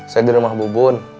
saya di rumah bu bun